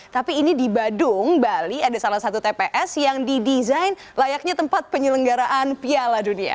tapi ini di badung bali ada salah satu tps yang didesain layaknya tempat penyelenggaraan piala dunia